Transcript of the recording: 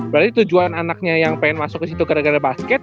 berarti tujuan anaknya yang pengen masuk ke situ gara gara basket